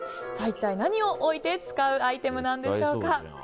一体何を置いて使うアイテムなんでしょうか。